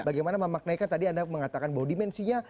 bagaimana memaknaikan tadi anda mengatakan bahwa dimensinya